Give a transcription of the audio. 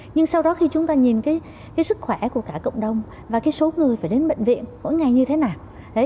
nhưng sau đó khi chúng ta nhìn cái sức khỏe của cả cộng đồng và cái số người phải đến bệnh viện mỗi ngày như thế nào